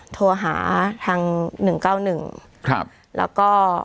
โทรหาทาง๑๙๑แล้วก็